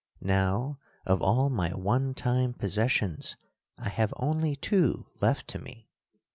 "Now of all my one time possessions I have only two left to me.